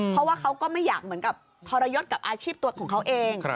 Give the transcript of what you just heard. เพราะว่าเขาก็ไม่อยากเหมือนกับทรยศกับอาชีพตัวของเขาเอง